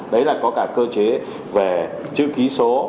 đấy là có cả cơ chế về chữ ký số